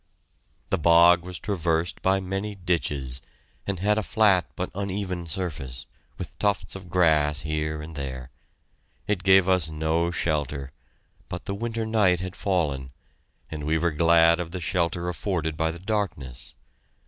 The bog was traversed by many ditches, and had a flat but uneven surface, with tufts of grass here and there. It gave us no shelter, but the winter night had fallen, and we were glad of the shelter afforded by the darkness.